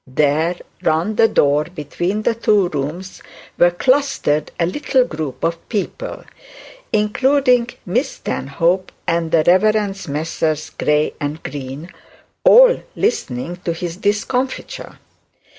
There round the door between the two rooms were clustered a little group of people, including Miss Stanhope and the Rev. Messrs. Gray and Green, all listening to his discomfiture.